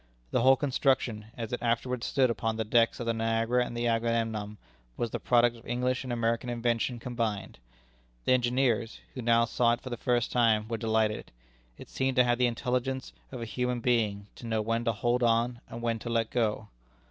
The whole construction, as it afterwards stood upon the decks of the Niagara and the Agamemnon, was the product of English and American invention combined. The engineers, who now saw it for the first time, were delighted. It seemed to have the intelligence of a human being, to know when to hold on, and when to let go.